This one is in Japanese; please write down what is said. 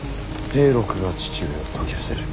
平六が父上を説き伏せる。